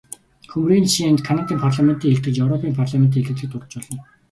Хөмрөгийн жишээнд Канадын парламентын илтгэл, европын парламентын илтгэлийг дурдаж болно.